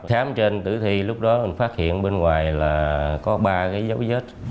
khám trên tử thi lúc đó mình phát hiện bên ngoài là có ba cái dấu vết